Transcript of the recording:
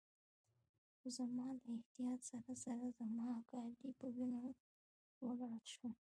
خو زما له احتیاط سره سره زما کالي په وینو ولړل شول.